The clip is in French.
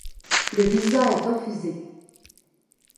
Le visa est refusé.